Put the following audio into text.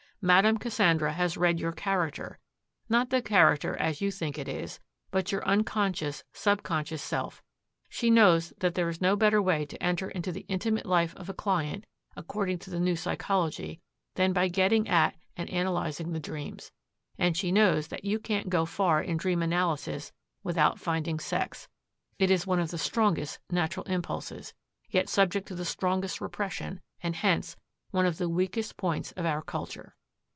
Madame Cassandra has read your character, not the character as you think it is, but your unconscious, subconscious self. She knows that there is no better way to enter into the intimate life of a client, according to the new psychology, than by getting at and analyzing the dreams. And she knows that you can't go far in dream analysis without finding sex. It is one of the strongest natural impulses, yet subject to the strongest repression, and hence one of the weakest points of our culture.